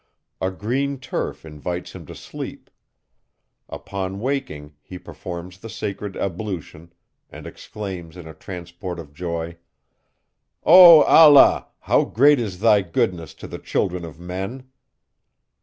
A green turf invites him to sleep; upon waking he performs the sacred ablution, and exclaims in a transport of joy: "O Allah! how great is thy goodness to the children of men!"